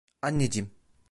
Anneciğim.